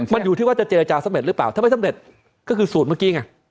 มันอยู่ที่ว่าจะเจรจาสำเร็จหรือเปล่าถ้าไม่สำเร็จก็คือสูตรเมื่อกี้ไง